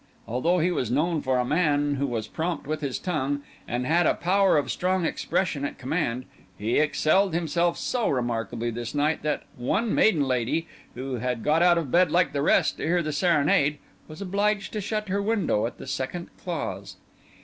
Although he was known for a man who was prompt with his tongue, and had a power of strong expression at command, he excelled himself so remarkably this night that one maiden lady, who had got out of bed like the rest to hear the serenade, was obliged to shut her window at the second clause.